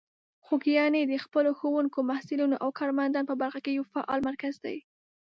خوږیاڼي د خپلو ښوونکو، محصلینو او کارمندان په برخه کې یو فعال مرکز دی.